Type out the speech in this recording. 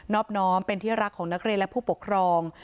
อบน้อมเป็นที่รักของนักเรียนและผู้ปกครอง